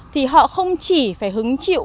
thì họ không chỉ phải hứng chịu